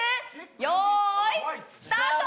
よーい、スタート。